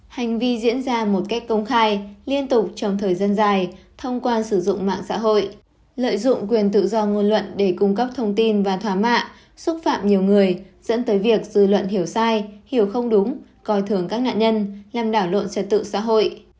hành vi diễn ra một cách công khai liên tục trong thời gian dài thông qua sử dụng mạng xã hội lợi dụng quyền tự do ngôn luận để cung cấp thông tin và thỏa mã xúc phạm nhiều người dẫn tới việc dư luận hiểu sai hiểu không đúng coi thường các nạn nhân làm đảo lộn trật tự xã hội